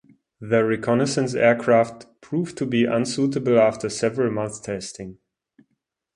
The reconnaissance aircraft proved to be unsuitable after several months' testing.